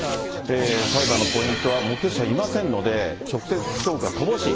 裁判のポイントは目撃者いませんので、直接証拠が乏しい。